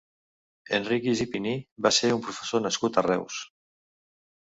Enrique Gippini va ser un professor nascut a Reus.